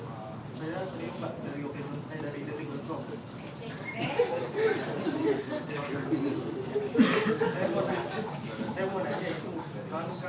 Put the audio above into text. kalau ada uang dan peluang yang dirilis apa yang akan dilakukan